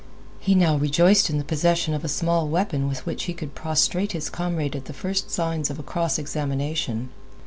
He now rejoiced in the possession of a small weapon with which he could prostrate his comrade at the first signs of a cross examination.